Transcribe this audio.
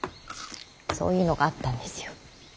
そういうのがあったんですよ。